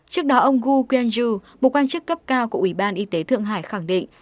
trước đó ông gu queen ju một quan chức cấp cao của ủy ban y tế thượng hải khẳng định